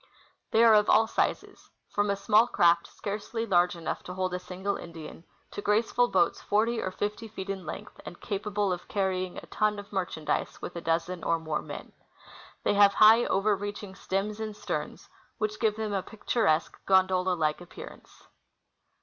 They are of all sizes, from a small craft scarcely large enough to hold a single Indian to graceful boats forty or fifty feet in length and capable of carrying a ton of mer chandise with a dozen or more men. They have high, over reaching stems and sterns, which give them a picturesque, gondola like appearance.